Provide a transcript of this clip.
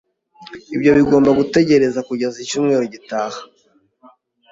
Ibyo bigomba gutegereza kugeza icyumweru gitaha